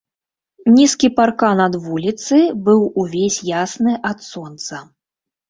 Нізкі паркан ад вуліцы быў увесь ясны ад сонца.